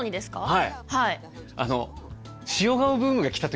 はい。